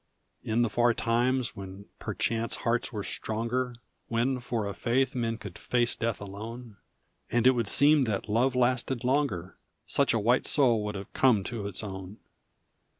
In the far times when perchance hearts were stronger, When for a faith men could face death alone, And it would seem that love lasted longer, Such a white soul would have come to its own.